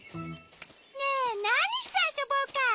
ねえなにしてあそぼうか！